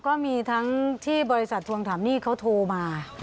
ก็มีทั้งที่บริษัททวงถามหนี้เขาโทรมา